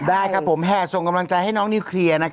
ได้ครับผมแห่ส่งกำลังใจให้น้องนิวเคลียร์